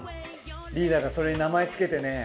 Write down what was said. リーダーがそれに名前つけてね。